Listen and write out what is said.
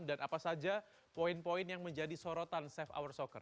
dan apa saja poin poin yang menjadi sorotan safe hour soccer